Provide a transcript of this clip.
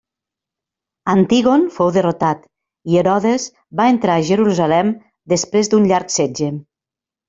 Antígon fou derrotat i Herodes va entrar a Jerusalem després d'un llarg setge.